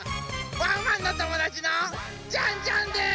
ワンワンのともだちのジャンジャンです！